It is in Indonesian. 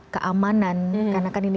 keamanan karena kan ini